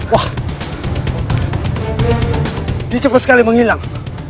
wah ini cepat sekali menghilang